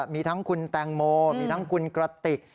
มีทั้งคุณแตงโมมีทั้งคุณกระติก